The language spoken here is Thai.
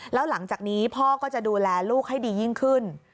แล้วหลังจากนี้พ่อก็จะดูแลลูกให้ดียิ่งขึ้น